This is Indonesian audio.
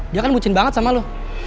dia kan bocin banget sama lo